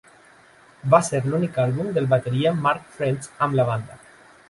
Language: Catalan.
Va ser l'únic àlbum del bateria Mark French amb la banda.